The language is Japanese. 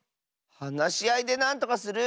はなしあいでなんとかする！